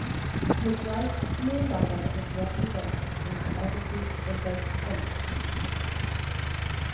His wife's new lover was represented in the episode The Big Finish?